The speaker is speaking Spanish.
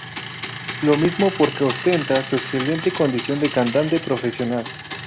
Lo mismo por que ostenta su excelente condición de cantante profesional.